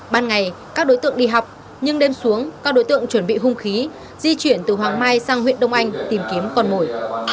ban ngày các đối tượng đi học nhưng đêm xuống các đối tượng chuẩn bị hung khí di chuyển từ hoàng mai sang huyện đông anh tìm kiếm con mồi